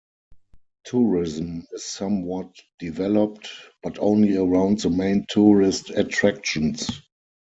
Tourism is somewhat developed, but only around the main tourist attractions.